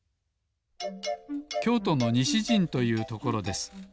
きょうとのにしじんというところです。